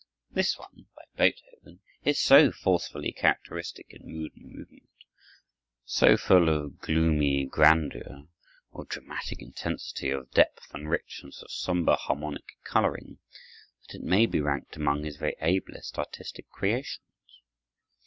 This one by Beethoven is so forcefully characteristic in mood and movement, so full of gloomy grandeur, of dramatic intensity, of depth and richness of somber harmonic coloring, that it may be ranked among his very ablest artistic creations.